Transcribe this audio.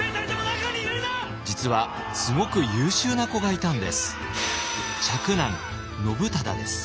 実はすごく優秀な子がいたんです。